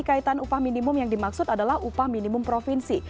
kaitan upah minimum yang dimaksud adalah upah minimum provinsi